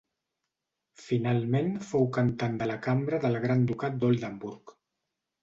Finalment fou cantant de cambra del gran ducat d'Oldenburg.